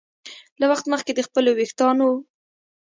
له وخت مخکې د خپلو ویښتانو